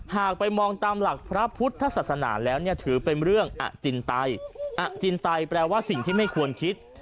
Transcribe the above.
หากไปมองตามหลักพระพุทธศาสนาแล้วเนี่ยถือเป็นเรื่องอจินไตอาจินไตแปลว่าสิ่งที่ไม่ควรคิด